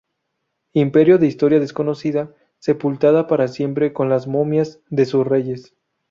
imperio de historia desconocida, sepultada para siempre con las momias de sus reyes